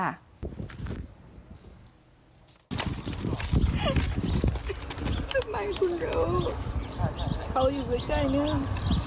ทำไมคุณรู้เขาอยู่ใกล้นึง